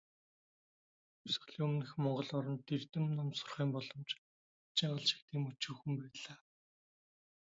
Хувьсгалын өмнөх монгол оронд, эрдэм ном сурахын боломж "хүжийн гал" шиг тийм өчүүхэн байлаа.